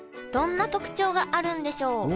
どんな特徴があるんでしょう？